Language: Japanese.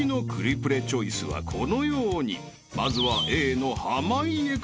［まずは］